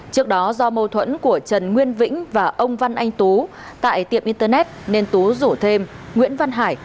trước đó do mâu thuẫn của trần nguyên vĩnh và ông văn anh tú tại tiệm internet nên tú rủ thêm nguyễn văn hải